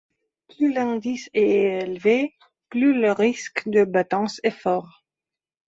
Plus l'indice est élevé, plus le risque de battance est fort.